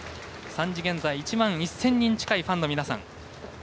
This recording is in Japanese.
３時現在１万１０００人のファンの皆さん。